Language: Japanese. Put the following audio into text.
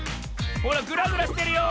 ほらグラグラしてるよ。